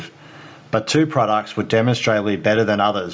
tetapi dua produk yang diperlukan adalah lebih baik daripada yang lain